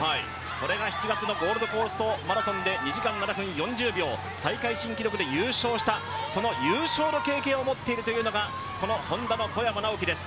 これが７月のゴールドコーストで２時間７分４０秒大会新記録で優勝したその優勝の経験を持ってるのがＨｏｎｄａの小山直城です。